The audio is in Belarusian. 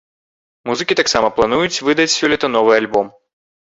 Музыкі таксама плануюць выдаць сёлета новы альбом.